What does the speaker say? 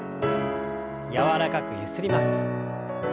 柔らかくゆすります。